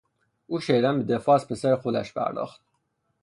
او شدیدا به دفاع از پسر خودش پرداخت.